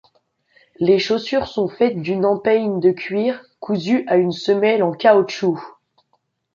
Les chaussures sont faites d'une empeigne de cuir cousue à une semelle en caoutchouc.